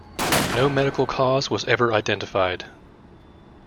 No medical cause was ever identified.